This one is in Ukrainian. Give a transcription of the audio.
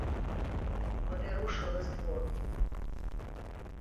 Вони рушили з двора.